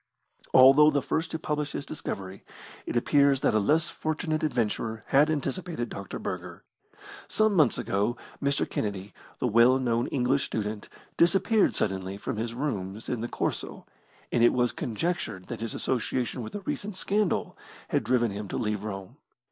Although the first to publish his discovery, it appears that a less fortunate adventurer had anticipated Dr. Burger. Some months ago Mr. Kennedy, the well known English student, disappeared suddenly from his rooms in the "Corso", and it was conjectured that his association with a recent scandal had driven him to leave Rome.